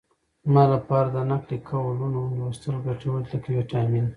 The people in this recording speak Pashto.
زما لپاره د نقل قولونو لوستل ګټور دي لکه ویټامین.